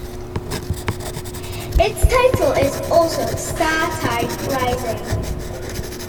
Its title is also "Startide Rising".